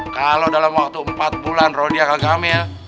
kalo dalam waktu empat bulan kalau dia kagak hamil